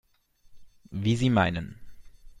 Wie Sie meinen.